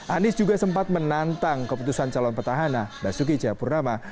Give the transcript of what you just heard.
anies juga sempat menantang keputusan calon petahana basuki cahapurnama